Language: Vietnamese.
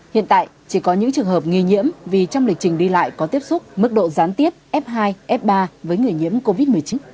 hiện tại chỉ có những trường hợp nghi nhiễm vì trong lịch trình đi lại có tiếp xúc mức độ gián tiếp f hai f ba với người nhiễm covid một mươi chín